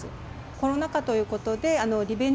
コロナ禍ということで、リベンジ